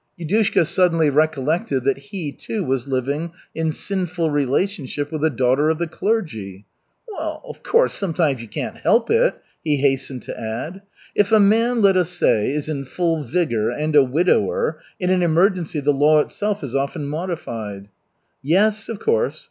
Yudushka suddenly recollected that he, too, was living in sinful relationship with a daughter of the clergy. "Of course, sometimes you can't help it," he hastened to add. "If a man, let us say, is in full vigor and a widower in an emergency the law itself is often modified." "Yes, of course.